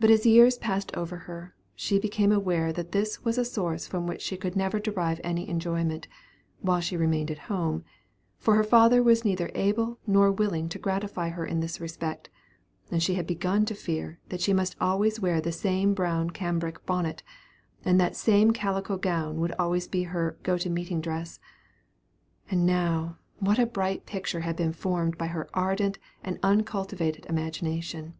But as years passed over her, she became aware that this was a source from which she could never derive any enjoyment, while she remained at home, for her father was neither able nor willing to gratify her in this respect, and she had begun to fear that she must always wear the same brown cambric bonnet, and that the same calico gown would always be her "go to meeting dress." And now what a bright picture had been formed by her ardent and uncultivated imagination.